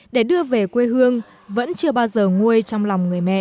để đưa về quê hương vẫn chưa bao giờ nguôi trong lòng người mẹ